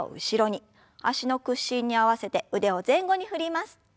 脚の屈伸に合わせて腕を前後に振ります。